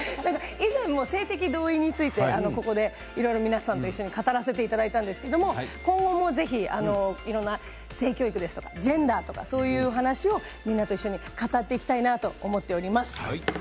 以前も性的同意について皆さんと語らせていただいたんですが今後もいろんな性教育やジェンダーとかそういう話をみんなと語っていきたいなと思っております。